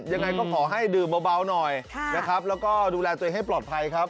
ยังไงก็ขอให้ดื่มเบาหน่อยนะครับแล้วก็ดูแลตัวเองให้ปลอดภัยครับ